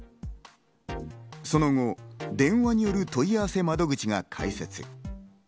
その後、電話による問い合わせ窓口が開設。